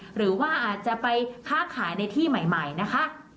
หรือว่าอาจจะไปค้าขายในที่ใหม่นะคะ